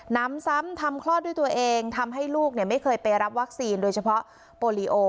น้ำซ้ำทำคลอดด้วยตัวเองทำให้ลูกไม่เคยไปรับวัคซีนโดยเฉพาะโปรลีโอ